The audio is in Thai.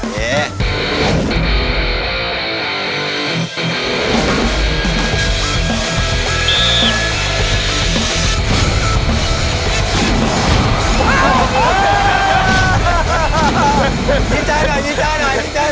ยินดีใจหน่อยยินดีใจหน่อย